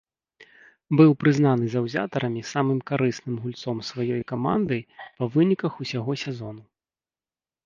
Быў прызнаны заўзятарамі самым карысным гульцом сваёй каманды па выніках усяго сезону.